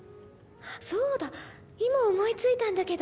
そうだ今思いついたんだけど。